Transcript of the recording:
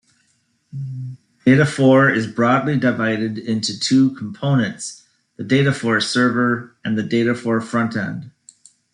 Dataphor is broadly divided into two components: the Dataphor Server, and the Dataphor Frontend.